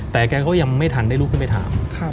แต่แกก็ยังไม่ทันได้ลุกขึ้นไปถาม